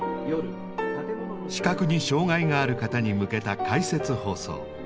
視覚に障害がある方に向けた「解説放送」。